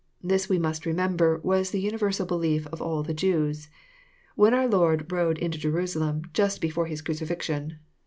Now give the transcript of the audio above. This, we must remember, was the universal belief of all the Jews. When our Lord rode into Jerusalem, just before his crucifixion^ JOHN, CHAP. vn.